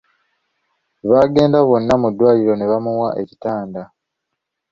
Baagenda bonna mu ddwaliro ne bamuwa ekitanda.